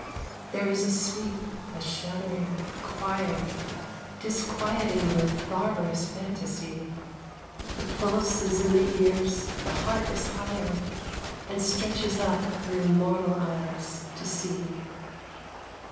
There is a sweep, a shattering, a choir Disquieting of barbarous fantasy. The pulse is in the ears, the heart is higher, And stretches up through mortal eyes to see.